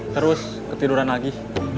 terus ketiduran lagi